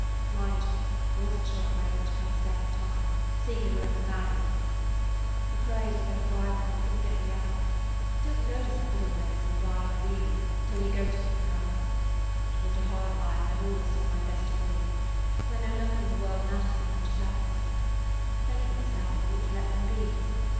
"Mind you, I was n't sure if I ought to come the second time, seeing we both were married and that. I prayed and read the Bible, [Page 175] but I couldn't get any help. You don't notice how little there is in the Bible really till you go to it for help. But I 've lived a hard life and I 've always done my best for William, and I know nothing in the world matters so much as happiness. If anybody 's happy, you ought to let them be.